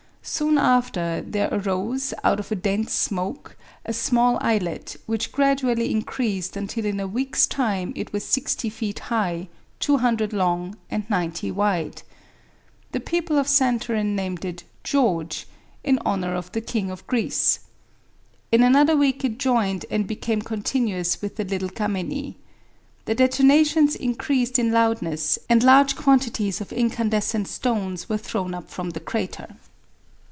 Soon after there arose, out of a dense smoke, a small islet, which gradually increased until in a week's time it was 60 feet high, 200 long and 90 wide. The people of Santorin named it "George," in honor of the King of Greece. In another week it joined and became continuous with the Little Cammeni. The detonations increased in loudness, and large quantities of incandescent stones were thrown up from the crater.